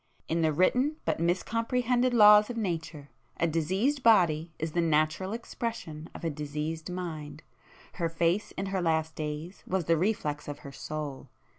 In the written but miscomprehended laws of Nature, a diseased body is the natural expression of a diseased mind,—her face in her last days was the reflex of her soul.